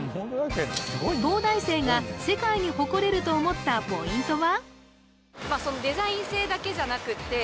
東大生が世界に誇れると思ったポイントは？